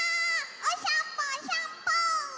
おさんぽおさんぽ！